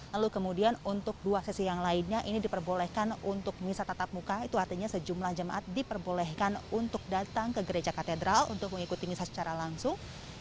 lalu kemudian untuk dua sesi yang lainnya ini diperbolehkan untuk misa tatap muka itu artinya sejumlah jemaat diperbolehkan untuk datang ke gereja katedral untuk mengikuti misa secara langsung